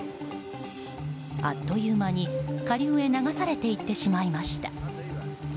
あっという間に下流へ流されていってしまいました。